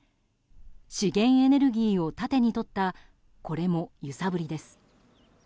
資源エネルギーを盾に取ったこれも揺さぶりです。